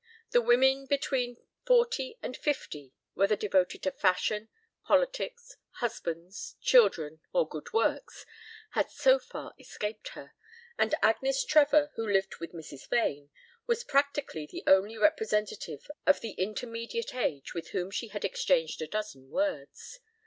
The women between forty and fifty, whether devoted to fashion, politics, husbands, children, or good works, had so far escaped her, and Agnes Trevor, who lived with Mrs. Vane, was practically the only representative of the intermediate age with whom she had exchanged a dozen words.